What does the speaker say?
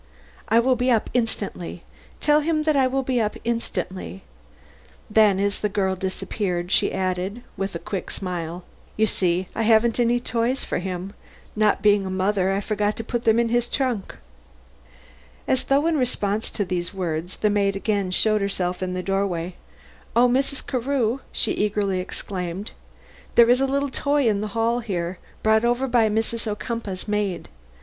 "I will be up instantly. Tell him that I will be up instantly." Then as the girl disappeared, she added, with a quick smile: "You see I haven't any toys for him. Not being a mother I forgot to put them in his trunk." As though in response to these words the maid again showed herself in the doorway. "Oh, Mrs. Carew," she eagerly exclaimed, "there's a little toy in the hall here, brought over by one of Mrs. Ocumpaugh's maids.